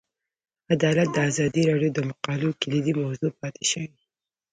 عدالت د ازادي راډیو د مقالو کلیدي موضوع پاتې شوی.